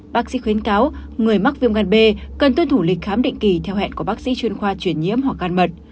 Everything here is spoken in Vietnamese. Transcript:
bác sĩ khuyến cáo người mắc viêm gan b cần tuân thủ lịch khám định kỳ theo hẹn của bác sĩ chuyên khoa chuyển nhiễm hoặc gan mật